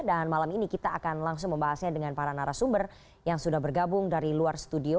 dan malam ini kita akan langsung membahasnya dengan para narasumber yang sudah bergabung dari luar studio